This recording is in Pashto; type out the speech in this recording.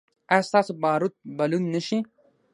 ایا ستاسو باروت به لوند نه شي؟